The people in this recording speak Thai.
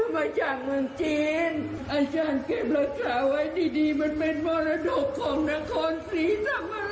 มาจากเมืองจีนอาจารย์เก็บรักษาไว้ดีมันเป็นมรดกของนครศรีธรรมราช